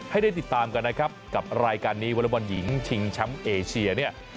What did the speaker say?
ให้ได้ติดตามกันนะครับกับรายการนี้วัลบอลหญิงชิงช้ำเอเชีย